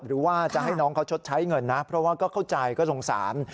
หรือว่าจะให้น้องเขาชดใช้เงินนะเพราะว่าก็เข้าใจก็สงสาร